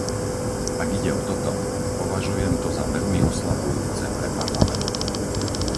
Ak ide o toto, považujem to za veľmi oslabujúce pre Parlament.